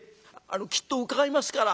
「きっと伺いますから。